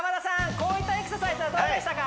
こういったエクササイズはどうでしたか？